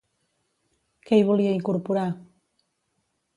Què hi volia incorporar?